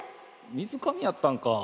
水上やったんか。